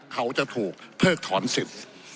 เขาจะถูกเพิกถอนสิทธิ์